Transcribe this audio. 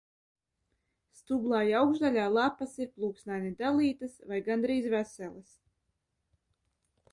Stublāja augšdaļā lapas ir plūksnaini dalītas vai gandrīz veselas.